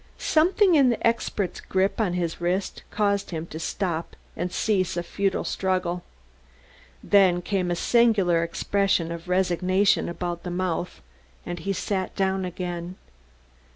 Something in the expert's grip on his wrist caused him to stop and cease a futile struggle; then came a singular expression of resignation about the mouth and he sat down again.